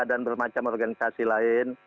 dan bermacam organisasi lain